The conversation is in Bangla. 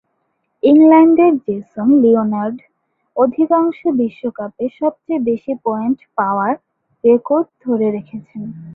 ইংল্যান্ডের জেসন লিওনার্ড অধিকাংশ বিশ্বকাপে সবচেয়ে বেশি পয়েন্ট পাওয়ার রেকর্ড ধরে রেখেছেন।